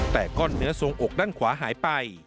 แต่ก้อนเนื้อทรงอกด้านขวาหายไป